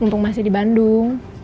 untung masih di bandung